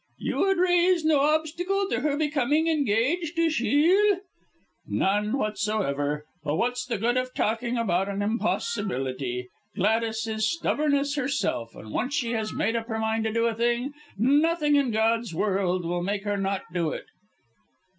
"You would raise no obstacle to her becoming engaged to Shiel?" "None whatsoever! But what's the good of talking about an impossibility. Gladys is stubbornness itself when once she has made up her mind to do a thing, nothing in God's world will make her not do it."